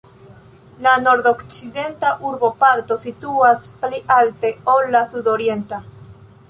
La nordokcidenta urboparto situas pli alte ol la sudorienta.